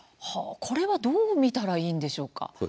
これはどう見たらいいのでしょうか。